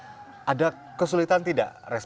jangan bersalah islam dan kebetulan